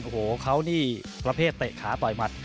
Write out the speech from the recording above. โอ้โหเขานี่ประเภทเตะขาต่อยหมัด